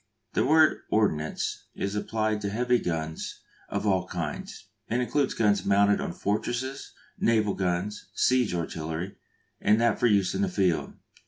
The word "ordnance" is applied to heavy guns of all kinds, and includes guns mounted on fortresses, naval guns, siege artillery, and that for use in the field.